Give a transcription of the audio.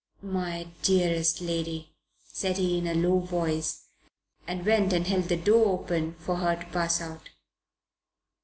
"My dearest lady," said he in a low voice, and went and held the door open for her to pass out.